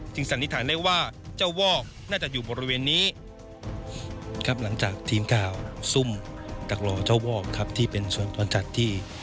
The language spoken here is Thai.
จึงสันนิฆานได้ว่าเจ้าวอกน่าจะอยู่บริเวณนี้